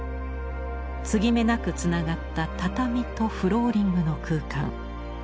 継ぎ目なくつながった畳とフローリングの空間。